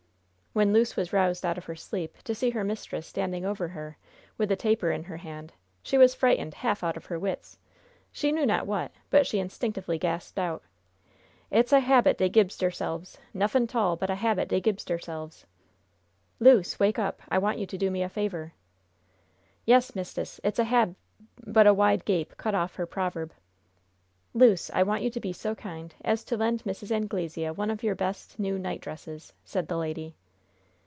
When Luce was roused out of her sleep, to see her mistress standing over her, with a taper in her hand, she was frightened half out of her wits at she knew not what, but she instinctively gasped out: "It's a habit dey gibs deirselves nuffin' 'tall but a habit dey gibs deirselves!" "Luce, wake up! I want you to do me a favor." "Yes, mist'ess! It's a hab " But a wide gape cut off her proverb. "Luce! I want you to be so kind as to lend Mrs. Anglesea one of your best, new nightdresses," said the lady.